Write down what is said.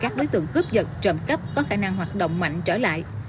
tối tượng cướp dật trộm cấp có khả năng hoạt động mạnh trở lại